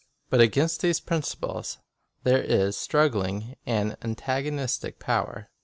But against these principles there is struggling an antagonistic power.